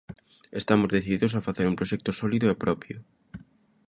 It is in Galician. Estamos decididos a facer un proxecto sólido e propio.